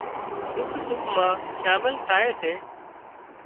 ۮُک سُک مان شامل ٿائي